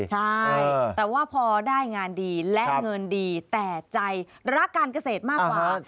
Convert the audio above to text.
ใช่แต่ว่าพอได้งานดีและเงินดีแต่ใจรักการเกษตรมากกว่า